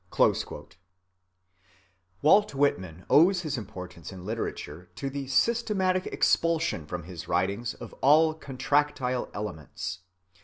(38) Walt Whitman owes his importance in literature to the systematic expulsion from his writings of all contractile elements.